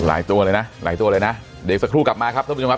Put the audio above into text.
ตัวเลยนะหลายตัวเลยนะเดี๋ยวอีกสักครู่กลับมาครับท่านผู้ชมครับ